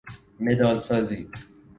مدال سازی